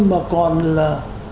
mà còn là